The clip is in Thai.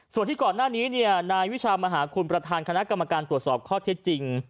ส่วนที่ก่อนหน้านี้นายวิชามหาคุณประธานคณะกรรมการตรวจสอบข้อเท็จจริง